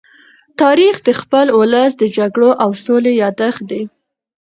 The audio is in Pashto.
تاریخ د خپل ولس د جګړو او سولې يادښت دی.